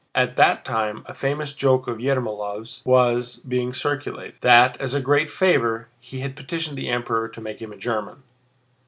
At that time a famous joke of Ermólov's was being circulated, that as a great favor he had petitioned the Emperor to make him a German.